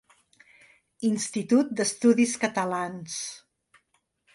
Institut d'Estudis Catalans.